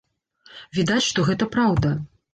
Відаць, што гэта праўда.